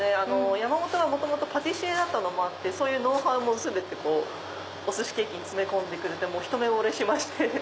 山本が元々パティシエだったのもあってノウハウも全てお寿司ケーキに詰め込んでくれてひと目ぼれしまして。